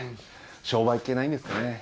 商売っ気ないんですかね。